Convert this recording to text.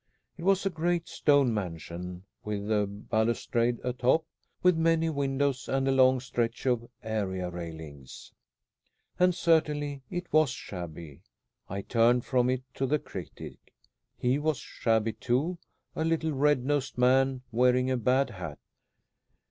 It was a great stone mansion with a balustrade atop, with many windows and a long stretch of area railings. And certainly it was shabby. I turned from it to the critic. He was shabby too a little red nosed man wearing a bad hat.